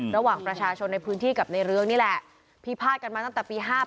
ระหว่างประชาชนในพื้นที่กับในเรืองนี่แหละพิพาทกันมาตั้งแต่ปี๕๘